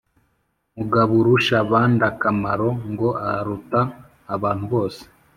mugaburushabandakamaro ngo aruta abantu bose,